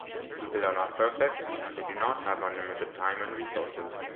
People are not perfect, and they do not have unlimited time and resources.